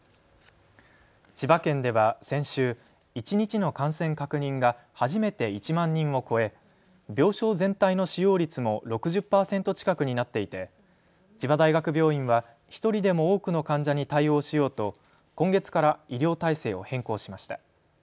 千葉県では先週、一日の感染確認が初めて１万人を超え病床全体の使用率も６０％近くになっていて千葉大学病院は１人でも多くの患者に対応しようと今月から医療体制を変更しました。